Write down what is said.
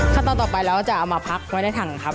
ขั้นตอนต่อไปเราจะเอามาพักไว้ในถังครับ